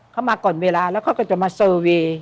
เขามาก่อนเวลาแล้วเขาก็จะมาเซอร์เวย์